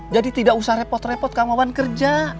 jadi tidak usah repot repot kang wawan kerja